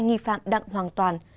nghi phạm đặng hoàng toàn